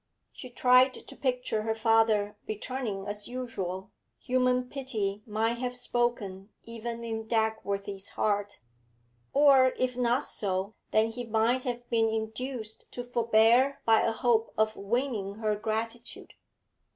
She tried to picture her father returning as usual; human pity might have spoken even in Dagworthy's heart; or if not so, then he might have been induced to forbear by a hope of winning her gratitude.